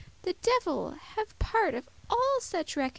The devil have part of all such reckonings!